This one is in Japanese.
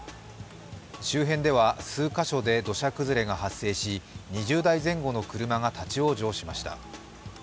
周辺では数カ所で土砂崩れが発生し２０台前後の車が立往生しました。